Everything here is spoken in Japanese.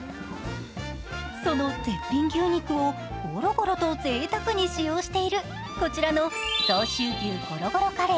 その絶品牛肉をゴロゴロとぜいたくに使用しているこちらの相州牛ゴロゴロカレー。